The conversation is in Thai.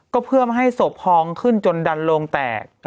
ก็เพื่อไม่ให้ศพพองขึ้นจนดันโลงแตก